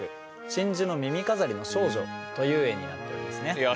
「真珠の耳飾りの少女」という絵になっておりますね。